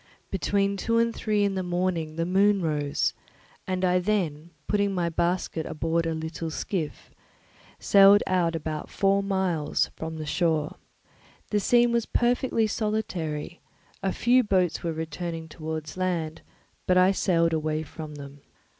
Between two and three in the morning the moon rose; and I then, putting my basket aboard a little skiff, sailed out about four miles from the shore. The scene was perfectly solitary; a few boats were returning towards land, but I sailed away from them.